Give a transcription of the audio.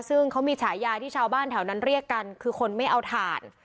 ซึ่งเขามีฉายาที่ชาวบ้านแถวนั้นเรียกกันคือคนไม่เอาถ่าน